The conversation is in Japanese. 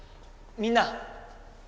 みんな。